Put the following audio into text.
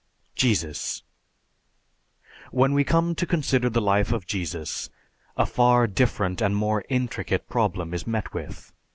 JESUS When we come to consider the life of Jesus, a far different and more intricate problem is met with.